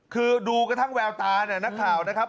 คือดูกระทั่งแววตานะทางข่าวนะครับ